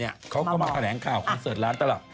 เขาก็มาแขนงข่าวเค้าเสิร์ชร้านตลอด